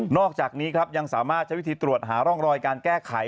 อกจากนี้ครับยังสามารถใช้วิธีตรวจหาร่องรอยการแก้ไข